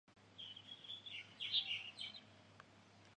它的果实是可食的并且相当多种子而且有益于野生生物。